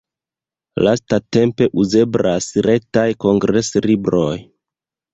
Lastatempe uzeblas retaj kongreslibroj.